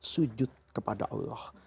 sujud kepada allah